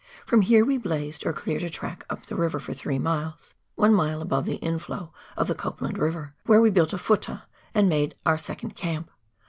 From here we " blazed" or cleared a track up the river for three miles — one mile above the inflow of the Copland River — where w^e built a " futtah," and made our second camp.